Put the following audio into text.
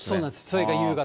それが夕方。